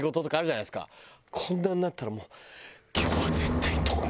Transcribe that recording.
こんなになったらもう。